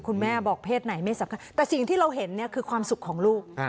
แม่บอกเพศไหนไม่สำคัญแต่สิ่งที่เราเห็นเนี่ยคือความสุขของลูก